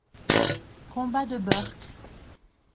Combat de Burk.